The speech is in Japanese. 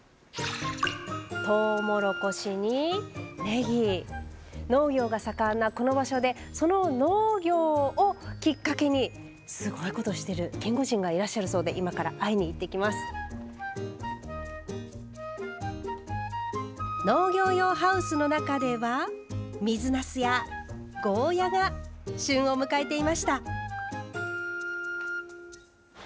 とうもろこしにねぎ農業が盛んなこの場所でその農業をきっかけにすごいことをしているキンゴジンがいらっしゃるそうで農業用ハウスの中では水なすやゴーヤが旬を迎えていました。